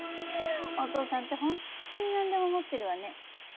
お父さんって本当に何でも持ってるわね。